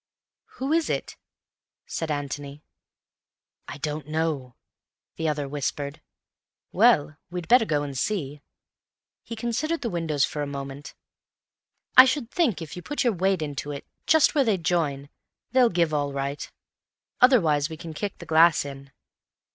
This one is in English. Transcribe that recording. "Who is it?" said Antony. "I don't know," the other whispered. "Well, we'd better go and see." He considered the windows for a moment. "I should think, if you put your weight into it, just where they join, they'll give all right. Otherwise, we can kick the glass in."